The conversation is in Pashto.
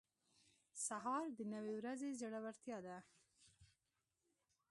سهار د نوې ورځې زړورتیا ده.